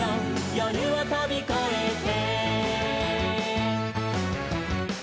「夜をとびこえて」